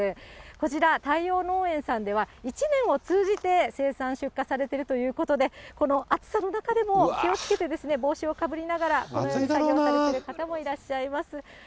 こちら、太陽農園さんでは１年を通じて生産出荷されてるということで、暑さの中でも気をつけて、帽子をかぶりながら、このように作業されてる方もいらっしゃいます。